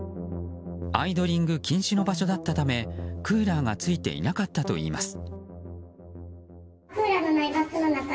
アイドリング禁止の場所だったためクーラーがついていなかったといいます。